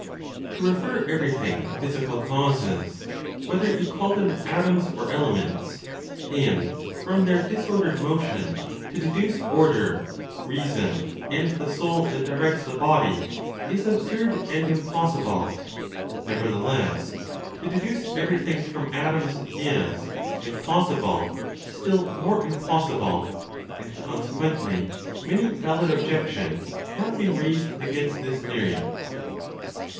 To refer everything to physical causes, whether you call them atoms or elements, and from their disordered motion to deduce order, reason and the soul that directs (the body), is absurd and impossible; nevertheless, to deduce everything from atoms, is, if possible, still more impossible; and consequently many valid objections have been raised against this theory.